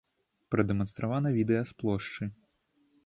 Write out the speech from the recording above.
Прадэманстравана відэа з плошчы.